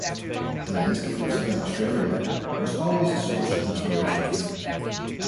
The landscape of southern Australia was always a source of inspiration for him.